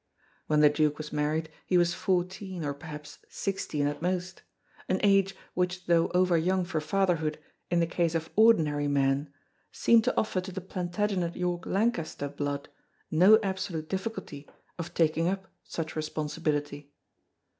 When the Duke was married he was fourteen or perhaps sixteen at most an age which though over young for fatherhood in the case of ordinary men seemed to offer to the Plantagenet York Lancaster blood no absolute difficulty of taking up such responsibility.